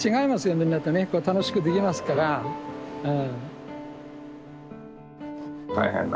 みんなとねこう楽しくできますからうん。